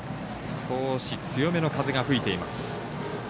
少し強めの風が吹いています。